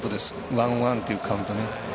ワンワンっていうカウントで。